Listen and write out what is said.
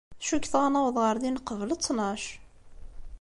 Cukkteɣ ad naweḍ ɣer din qbel ttnac.